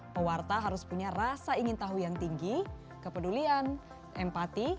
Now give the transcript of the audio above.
pewarta harus punya rasa ingin tahu yang tinggi kepedulian empati